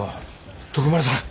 徳丸さん！